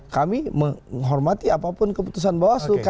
kami menghormati apapun keputusan bawaslu